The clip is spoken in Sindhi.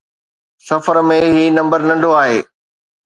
سفر ۾ هي نمبر ننڍو آهي